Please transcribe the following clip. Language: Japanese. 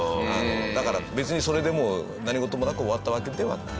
だから別にそれでもう何事もなく終わったわけではない。